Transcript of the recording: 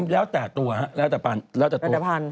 แล้วแต่ตัวแล้วแต่ตัวปรรถัฟัน